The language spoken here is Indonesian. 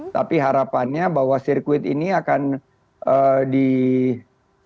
tapi harapannya bahwa sirkuit ini akan dipakai atau diperlakukan